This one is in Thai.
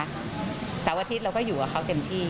เสาร์อาทิตย์เราก็อยู่กับเขาเต็มที่